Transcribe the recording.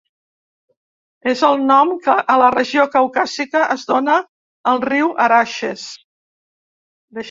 És el nom que a la regió caucàsica es dóna al riu Araxes.